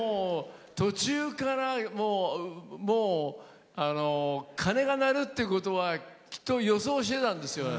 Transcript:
途中から鐘が鳴るってことはきっと予想してたんですよ。